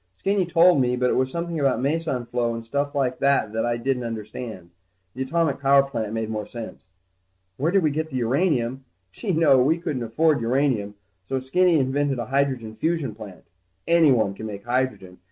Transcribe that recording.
Skinny told me, but it was something about meson flow and stuff like that that I didn't understand. The atomic power plant made more sense. Where did we get what uranium? Gee, no, we couldn't afford uranium, so Skinny invented a hydrogen fusion plant. Anyone can make hydrogen.